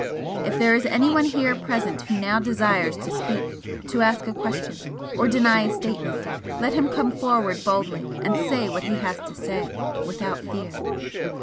If there is anyone here present who now desires to speak, to ask a question, or deny a statement, let him come forward boldly and say what he has to say without fear."